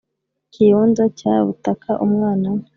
kiyonza cya butaka umwana we